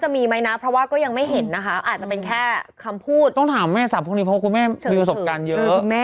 มีประสบการณ์เยอะ